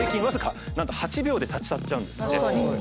僅かなんと８秒で立ち去っちゃうんですって。